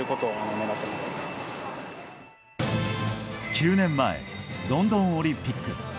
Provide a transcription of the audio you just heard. ９年前、ロンドンオリンピック。